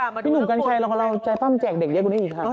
พี่หนุ่มกันชัยเราใจฟังแจกเด็กเยอะกว่านี้อีกค่ะ